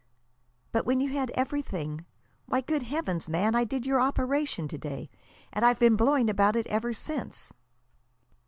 "But when you had everything! Why, good Heavens, man, I did your operation to day, and I've been blowing about it ever since."